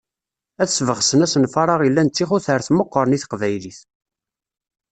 Ad sbeɣsen asenfar-a ilan tixutert meqqren i teqbaylit.